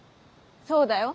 そうだよ。